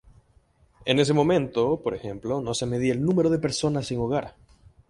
En ese momento, por ejemplo, no se medía el número de personas sin hogar.